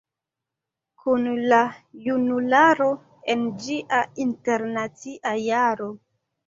Kun la junularo, en ĝia Internacia Jaro...".